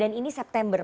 dan ini september